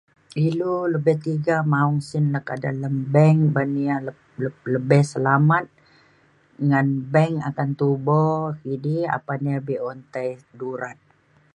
ilu lebih tega maung sin le ke dalem bank ban ya leb- leb- lebih selamat ngan bank akan tubo idi apan ya be'un tai durat.